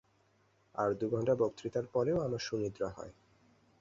আর দু-ঘণ্টা বক্তৃতার পরেও আমার সুনিদ্রা হয়।